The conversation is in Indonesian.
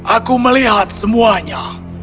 aku melihat semuanya